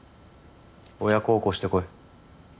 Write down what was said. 親孝行してこい。